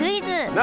何？